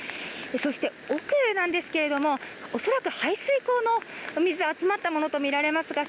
そして、奥なんですけども排水溝の水が集まったものとみられますが